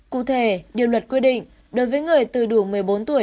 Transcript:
cụ thể điều luật quy định đối với người từ đủ một mươi bốn tuổi